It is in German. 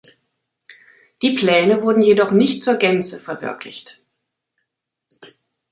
Die Pläne wurden jedoch nicht zur Gänze verwirklicht.